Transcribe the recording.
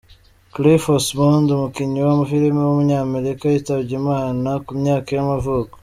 Cliff Osmond, umukinnyi wa filime w’umunyamerika yitabye Imana ku myaka y’amavuko.